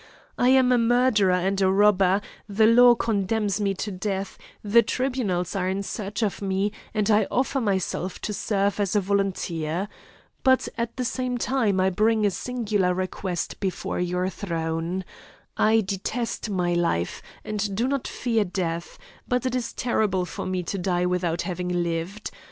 I am a murderer and a robber; the law condemns me to death, the tribunals are in search of me, and I offer myself to serve as a volunteer. But at the same time, I bring a singular request before your throne. I detest my life, and do not fear death, but it is terrible for me to die without having lived.